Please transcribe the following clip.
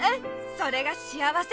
それが幸せ。